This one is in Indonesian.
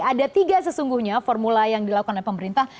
ada tiga sesungguhnya formula yang dilakukan oleh pemerintah